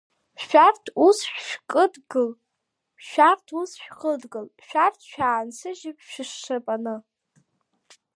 Шәарҭ ус шәкыдгыл, шәарҭ ус шәхыдгыл, Шәарҭ шәаансыжьт шәышшапаны.